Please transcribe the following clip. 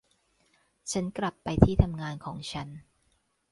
ฉันกลับไปที่งานของฉัน